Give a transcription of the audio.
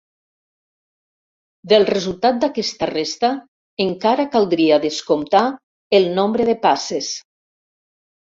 Del resultat d'aquesta resta encara caldria descomptar el nombre de passes.